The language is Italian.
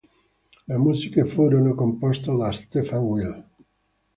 Le musiche furono composte da Stefan Will.